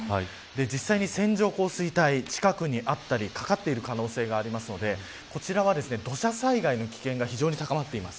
実際に線状降水帯、近くにあったり、かかっている可能性がありますのでこちらは土砂災害の危険が非常に高まっています。